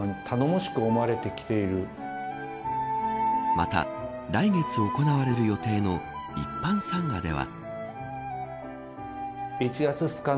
また、来月行われる予定の一般参賀では。